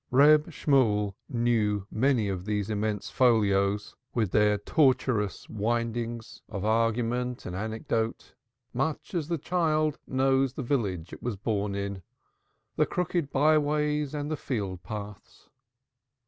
Reb Shemuel knew many of these immense folios with all their tortuous windings of argument and anecdote much as the child knows the village it was born in, the crooked by ways and the field paths.